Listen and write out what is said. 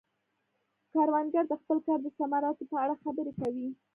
کروندګر د خپل کار د ثمراتو په اړه خبرې کوي